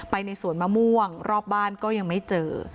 ในสวนมะม่วงรอบบ้านก็ยังไม่เจอ